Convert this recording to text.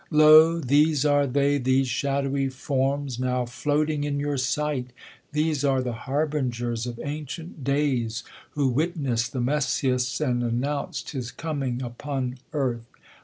Lo ! these are they, These shadowy forms now floating in your sight, These are the harbingers of ancient days, Who witnessed the Messias, and announc'd His coming upon earth.